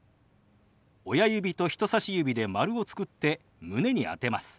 親指と人さし指で丸を作って胸に当てます。